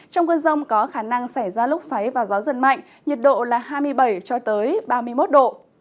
trong cơn rông có khả năng xảy ra lúc xoáy và gió dần mạnh nhiệt độ là hai mươi bảy ba mươi một độ